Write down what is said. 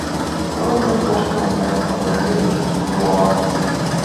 Голем број творци на модерната поезија ја чувствувале оваа врска.